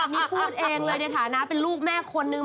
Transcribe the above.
นี่พูดเองเลยในฐานะเป็นลูกแม่คนนึง